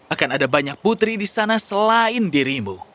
akan ada banyak putri di sana selain dirimu